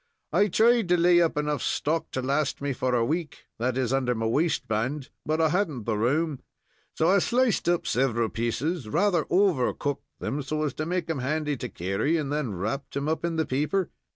I tried to lay in enough stock to last me for a week that is, under my waistband but I hadn't the room; so I sliced up several pieces, rather overcooked 'em, so as to make 'em handy to carry, and then wrapped 'em up in the paper."